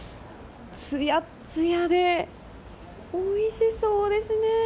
つやつやでおいしそうですね。